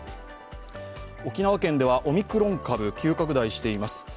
沖縄県ではオミクロン株、急拡大しています。